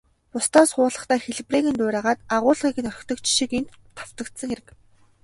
Бусдаас хуулахдаа хэлбэрийг нь дуурайгаад, агуулгыг нь орхидог жишиг энд давтагдсан хэрэг.